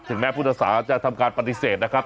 ถึงแม้พุทธศาสตร์จะทำการปฏิเสธนะครับ